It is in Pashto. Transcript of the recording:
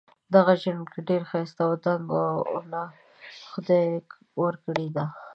دغه ژڼکی ډېر ښایسته او دنګه ونه خدای ورکړي ده.